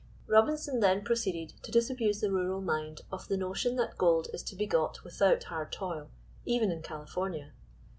Robinson then proceeded to disabuse the rural mind of the notion that gold is to be got without hard toil, even in California.